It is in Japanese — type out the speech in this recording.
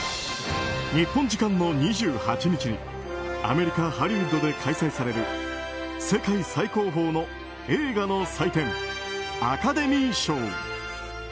日本時間の２８日アメリカ・ハリウッドで開催される世界最高峰の映画の祭典アカデミー賞。